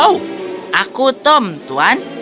oh aku tom tuan